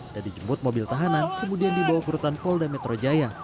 dan dijemput mobil tahanan kemudian dibawa ke rutan polda metro jaya